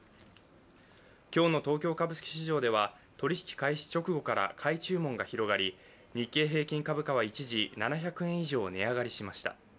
今日の東京株式市場では取引開始直後から買い注文が広がり日経平均株価は一時、７００円以上値上がりしました。